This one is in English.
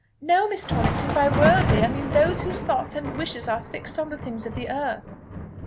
"No, Miss Torrington. By worldly, I mean those whose thoughts and wishes are fixed on the things of the earth."